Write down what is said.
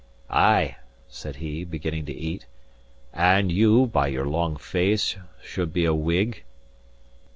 "Ay," said he, beginning to eat. "And you, by your long face, should be a Whig?"